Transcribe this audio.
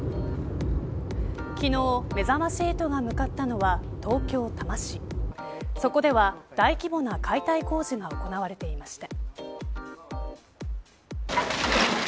昨日めざまし８が向かったのは東京・多摩市そこでは、大規模な解体工事が行われていました。